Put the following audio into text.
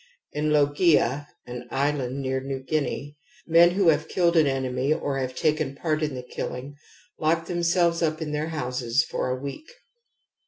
In Logea, an island near New Guinea, men who have killed an enemy or have taken part in the killing, lock themselves up in their houses for a week.